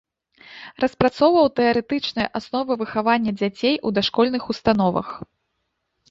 Распрацоўваў тэарэтычныя асновы выхавання дзяцей у дашкольных установах.